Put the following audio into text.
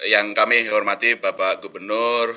yang kami hormati bapak gubernur